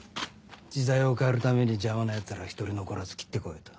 時代を変えるために邪魔な奴らは一人残らず斬って来いと。